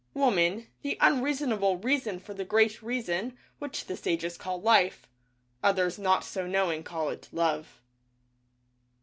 Woman, the unreasonable Reason for the Great Reason, which the sages call Life — Others not so knowing call it Love.